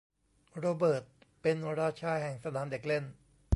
โรเบิร์ตเป็นราชาแห่งสนามเด็กเล่น